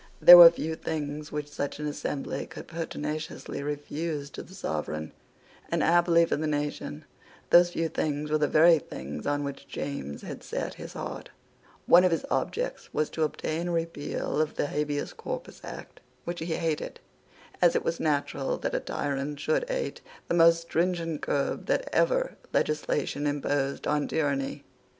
There were few things which such an assembly could pertinaciously refuse to the Sovereign; and, happily for the nation, those few things were the very things on which James had set his heart. One of his objects was to obtain a repeal of the Habeas Corpus Act, which he hated, as it was natural that a tyrant should hate the most stringent curb that ever legislation imposed on tyranny.